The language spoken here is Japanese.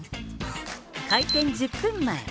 開店１０分前。